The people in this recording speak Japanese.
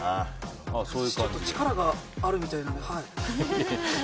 私ちょっと力があるみたいなので。